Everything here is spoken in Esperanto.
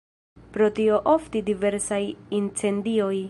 Pro tio oftis diversaj incendioj.